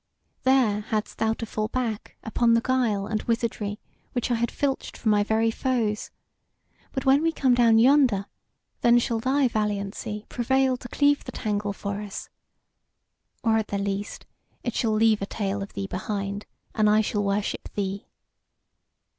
There hadst thou to fall back upon the guile and wizardry which I had filched from my very foes. But when we come down yonder, then shall thy valiancy prevail to cleave the tangle for us. Or at the least, it shall leave a tale of thee behind, and I shall worship thee."